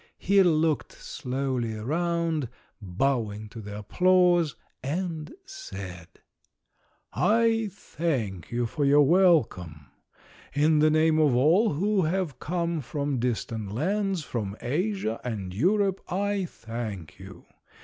He looked slowly around, bowing to the applause, and said: "I thank you for your welcome. In the name of all who have come from distant lands, from Asia and Europe, I thank you.